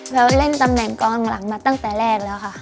เล่นตำแหน่งกองหลังมาตั้งแต่แรกแล้วค่ะ